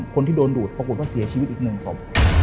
คนที่โดนดูดปรากฏว่าเสียชีวิตอีกหนึ่งศพ